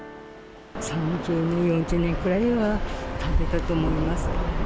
３０年、４０年くらいは食べたと思います。